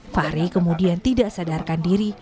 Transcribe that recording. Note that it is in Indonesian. fahri kemudian tidak sadarkan diri